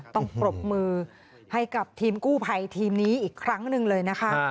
ปรบมือให้กับทีมกู้ภัยทีมนี้อีกครั้งหนึ่งเลยนะคะ